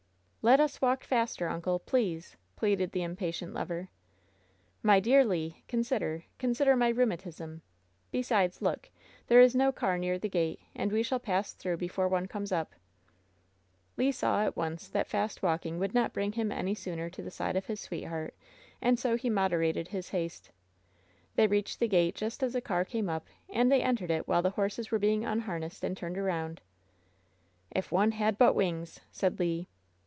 "Let us walk faster, uncle! Please!" pleaded the im patient lover. "My dear Le! Consider — consider my rheumatisml Besides, look! There is no car near the gate/ and we shall pass through before one comes up." 108 WHEN SHADOWS DIE Le saw at once that fast walking would not bring him any sooner to the side of his sweetheart, and so he mod erated his haste. They reached the gate just as a car came up, and they entered it while the horses were being unharnessed and turned around. *'If one had but wings!" said Le.